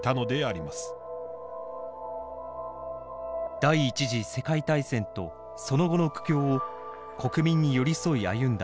第１次世界大戦とその後の苦境を国民に寄り添い歩んだジョージ５世。